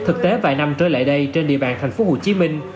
thực tế vài năm trở lại đây trên địa bàn thành phố hồ chí minh